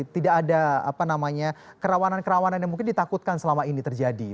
tidak ada kerawanan kerawanan yang mungkin ditakutkan selama ini terjadi